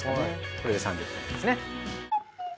これで３０分ですね。